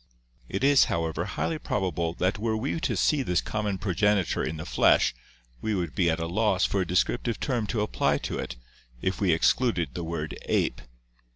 It is, however, highly probable that were we to see this common progenitor in the flesh we would be at a loss for a descriptive term to apply to it if we excluded the word ape.